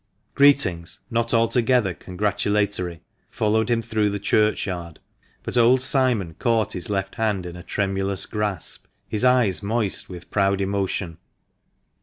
Greetings, not altogether congratulatory, followed him through the churchyard. But old Simon caught his left hand in a tremulous grasp, his eyes moist with proud emotion.